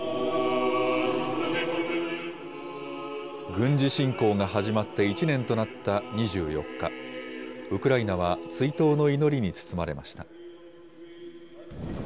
軍事侵攻が始まって１年となった２４日、ウクライナは追悼の祈りに包まれました。